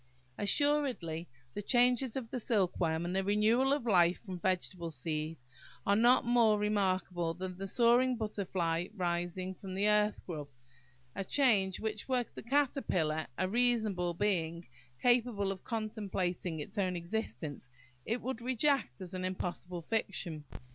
Assuredly, the changes of the silkworm, and the renewal of life from vegetable seed, are not more remarkable than the soaring butterfly rising from the earth grub–a change which, were the caterpillar a reasonable being, capable of contemplating its own existence, it would reject as an impossible fiction.